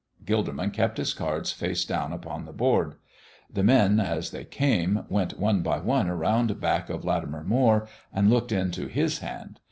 Gilderman kept his cards face down upon the board. The men, as they came, went one by one around back of Latimer Moire and looked into his hand.